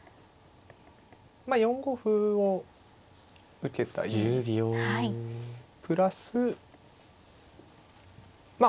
まあ４五歩を受けた意味プラスまあ